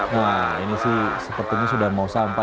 nah ini sih sepertinya sudah mau sampai